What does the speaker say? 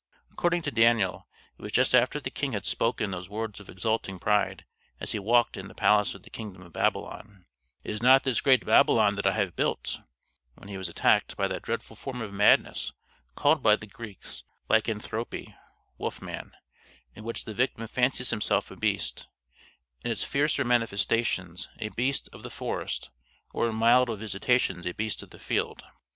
According to Daniel, it was just after the king had spoken those words of exulting pride as he walked in the palace of the Kingdom of Babylon: "Is not this great Babylon that I have built," when he was attacked by that dreadful form of madness, called by the Greeks, lycanthropy (wolf man), in which the victim fancies himself a beast: in its fiercer manifestations a beast of the forest, or in milder visitations a beast of the field.